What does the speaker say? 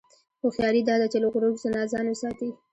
هوښیاري دا ده چې له غرور نه ځان وساتې.